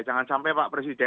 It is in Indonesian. jangan sampai pak presiden